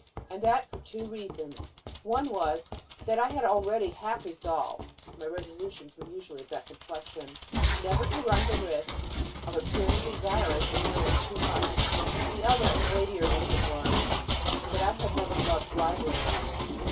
And that for two reasons: one was, that I had already half resolved my resolutions were usually of that complexion never to run the risk of appearing desirous of knowing too much; the other and weightier reason was, that I had never loved libraries.